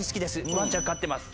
ワンちゃん飼ってます。